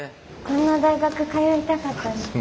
こんな大学通いたかったです。